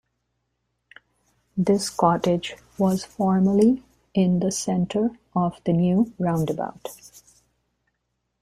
This cottage was formally in the centre of the new roundabout.